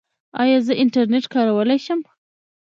ایا زه انټرنیټ کارولی شم؟